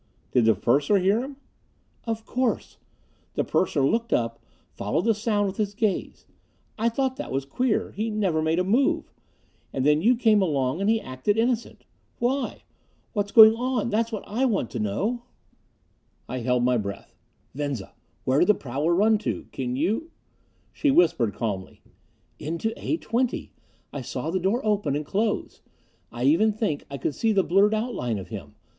"Did the purser hear him?" "Of course. The purser looked up, followed the sound with his gaze. I thought that was queer. He never made a move. And then you came along and he acted innocent. Why? What's going on, that's what I want to know!" I held my breath. "Venza, where did the prowler run to? Can you " She whispered calmly, "Into A 20. I saw the door open and close I even think I could see the blurred outline of him.